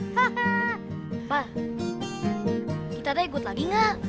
pak kita tak ikut lagi enggak